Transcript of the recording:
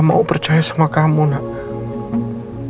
aku mau percaya sama kamu saab